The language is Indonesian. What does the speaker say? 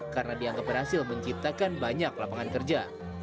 karena dianggap berhasil menciptakan banyak lapangan kerja